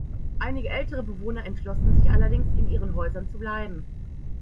Einige ältere Bewohner entschlossen sich allerdings, in ihren Häusern zu bleiben.